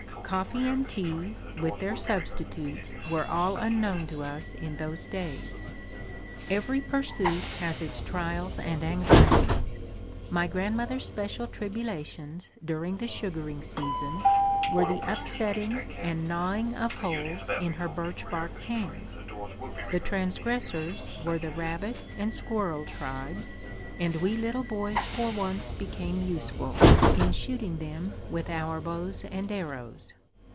Coffee and tea, with their substitutes, were all unknown to us in those days. Every pursuit has its trials and anxieties. My grandmother's special tribulations, during the sugaring season, were the upsetting and gnawing of holes in her birch bark pans. The transgressors were the rabbit and squirrel tribes, and we little boys for once became useful, in shooting them with our bows and arrows.